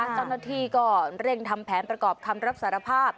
เจ้าหน้าที่ก็เร่งทำแผนประกอบคำรับสารภาพ